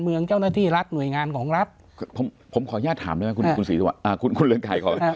เมืองเจ้าหน้าที่รัฐหน่วยงานของรัฐผมผมขอย่าถามได้